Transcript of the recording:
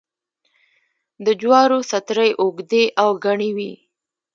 د جوارو سترۍ اوږدې او گڼې وي.